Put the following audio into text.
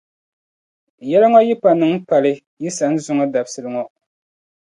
Yɛla ŋɔ yipa niŋ pali yi sani zuŋɔ dabisili ŋɔ.